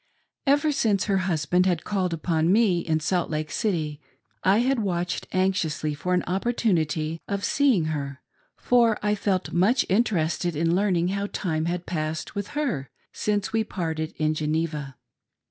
Ever since her husband had called upon me in Salt Lake City, I had watched anxiously for an opportunity of seeing her, for I felt much interested in learning how time had passed with her since we parted in Geneva.